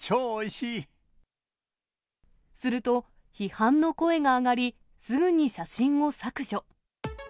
すると、批判の声が上がり、すぐに写真を削除。